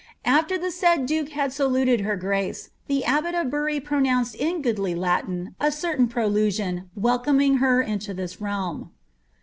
After the said duke had saluted her grace, the abbot of Bury pronounced in goodly Latin a certain prolusion, welcoming her into this realm.''